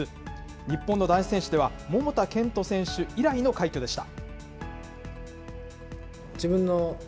日本の男子選手では、桃田賢斗選手以来の快挙でした。